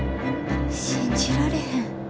信じられへん。